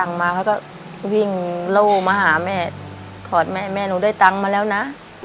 ได้เงินมาเขาก็วิ่งเล่ามาหาแม่ขอแม่ลองแม่หนูได้เงินมาแล้วนะ